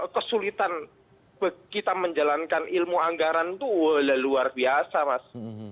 kesulitan kita menjalankan ilmu anggaran itu luar biasa mas